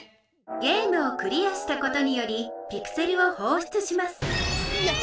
ゲームをクリアしたことによりピクセルをほうしゅつしますやった！